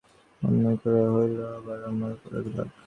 বিনোদিনী মনে মনে কহিল, নিজে অন্যায় করা হইল, আবার আমার উপরে রাগ!